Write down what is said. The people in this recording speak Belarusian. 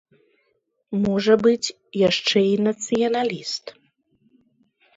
Можа быць, яшчэ і нацыяналіст.